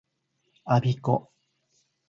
我孫子